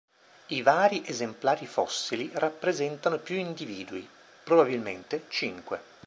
I vari esemplari fossili rappresentano più individui, probabilmente cinque.